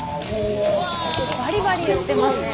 バリバリいってますね。